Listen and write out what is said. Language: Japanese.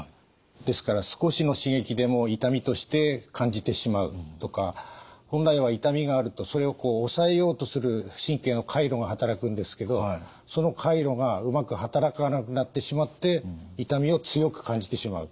ですから少しの刺激でも痛みとして感じてしまうとか本来は痛みがあるとそれを抑えようとする神経の回路が働くんですけどその回路がうまく働かなくなってしまって痛みを強く感じてしまうということがあります。